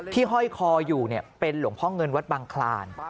ห้อยคออยู่เป็นหลวงพ่อเงินวัดบังคลาน